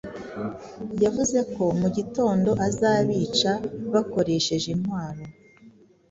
Yavuze ko mugitondo azabica bakoresheje intwaro